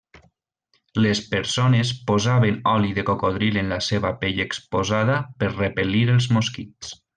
Les persones posaven oli de cocodril en la seva pell exposada per repel·lir els mosquits.